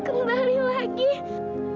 aku masih takut siang